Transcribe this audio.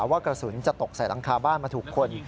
ว่ากระสุนจะตกใส่หลังคาบ้านมาถูกคน